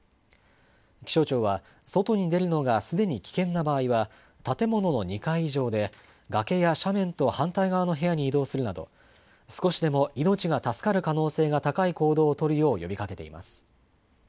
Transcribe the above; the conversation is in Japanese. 気象庁は外に出るのがすでに危険な場合は、建物の２階以上で、崖や斜面と反対側の部屋に移動するなど、少しでも命が助かる可能性が高い行動を取るよう呼びかけています。